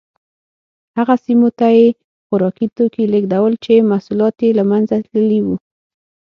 هغه سیمو ته یې خوراکي توکي لېږدول چې محصولات یې له منځه تللي وو